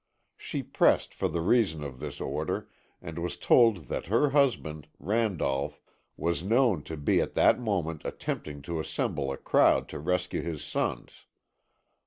She pressed for the reason of this order and was told that her husband, Randolph, was known to be at that moment attempting to assemble a crowd to rescue his sons.